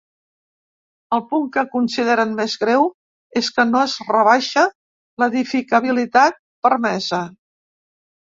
El punt que consideren més greu és que no es rebaixa l’edificabilitat permesa.